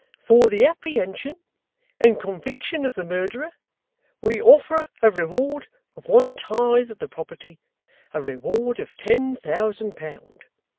For the apprehension and conviction of the murderer, we offer a reward of one tithe of the property a reward of Ten Thousand Pound.